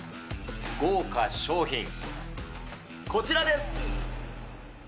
豪華賞品、こちらです。